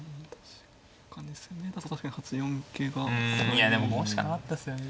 いやでもこうしかなかったですよね。